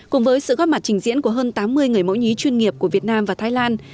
cùng với sự góp mặt trình diễn của hơn tám mươi người mẫu nhí chuyên nghiệp của việt nam và thái lan